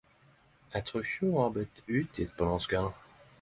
Eg trur ikkje ho har blitt utgitt på norsk ennå.